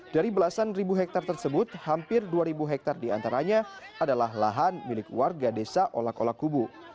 dari belasan ribu hektare tersebut hampir dua ribu hektare diantaranya adalah lahan milik warga desa olak olak kubu